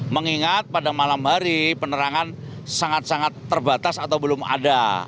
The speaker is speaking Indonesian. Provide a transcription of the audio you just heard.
mengingat pada malam hari penerangan sangat sangat terbatas atau belum ada